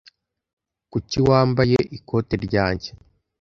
Kuki wambaye ikote ryanjye?